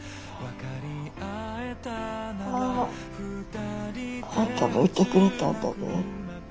ああんたもいてくれたんだね。